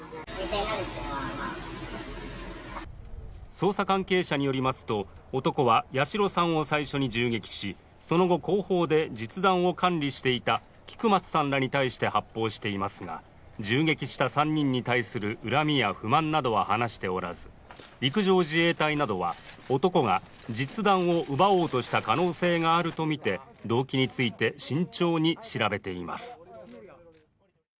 捜査関係者によりますと、男は八代さんを最初に銃撃し、その後後方で実弾を管理していた菊松さんらに対して発砲していますが、銃撃した３人に対する恨みや不満などは話しておらず、陸上自衛隊などは男が実弾を奪おうとした可能性があるとみて、動機について慎重に調べています。